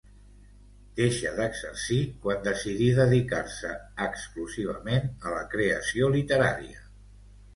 Deixa d'exercir quan decidí dedicar-se exclusivament a la creació literària.